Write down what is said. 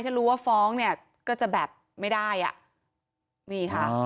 ถ้ารู้ว่าฟ้องก็จะแบบไม่ได้